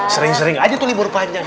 sering sering aja tuh libur panjang